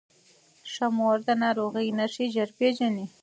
ښه مور د ناروغۍ نښې ژر پیژني.